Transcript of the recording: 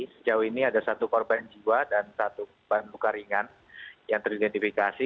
sejauh ini ada satu korban jiwa dan satu korban luka ringan yang teridentifikasi